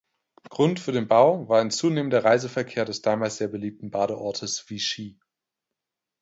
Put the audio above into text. Grund für den Bau war ein zunehmender Reiseverkehr des damals sehr beliebten Badeortes Vichy.